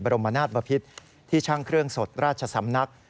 รมนาศบพิษที่ช่างเครื่องสดราชสำนัก